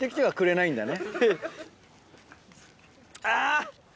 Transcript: あぁ！